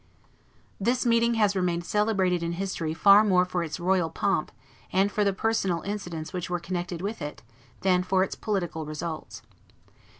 This meeting has remained celebrated in history far more for its royal pomp, and for the personal incidents which were connected with it, than for its political results.